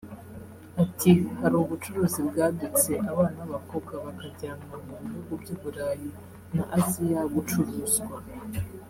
Ati “Hari ubucuruzi bwadutse abana b’abakobwa bakajyanwa mu bihugu by’uburayi na Asiya gucuruzwa